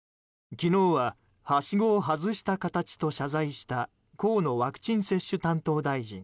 昨日は、はしごを外した形と謝罪した河野ワクチン接種担当大臣。